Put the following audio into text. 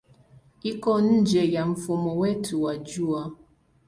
Iko nje ya mfumo wetu wa Jua.